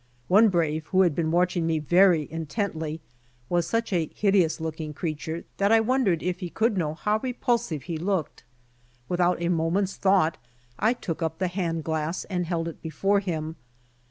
One brave who had been watching me very intently, was such a hideous looking creature that I wondered if he could know how repulsive he looked. Without a moment's thought I took up the hand glass and held it before him.